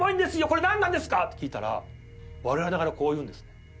これなんなんですか？って聞いたら笑いながらこう言うんですね。